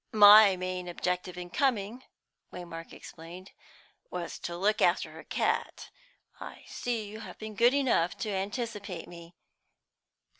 "My main object in coming," Waymark explained, "was to look after her cat. I see you have been good enough to anticipate me."